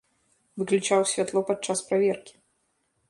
Выключаў святло падчас праверкі.